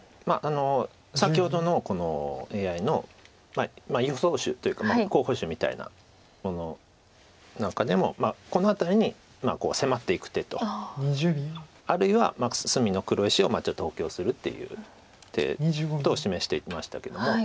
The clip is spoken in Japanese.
先ほどのこのＡＩの予想手というか候補手みたいなものなんかでもこの辺りに迫っていく手とあるいは隅の黒石をちょっと補強するっていう手とを示していましたけども。